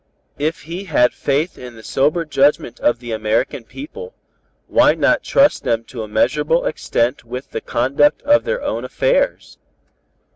"If he had faith in the sober judgment of the American people, why not trust them to a measurable extent with the conduct of their own affairs?